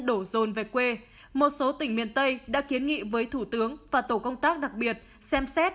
đổ rồn về quê một số tỉnh miền tây đã kiến nghị với thủ tướng và tổ công tác đặc biệt xem xét